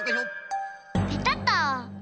ペタッと。